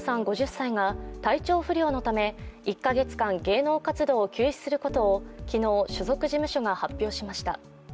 ５０歳が体調不良のため１か月間、芸能活動を休止することを昨日、所属事務所が発表しました。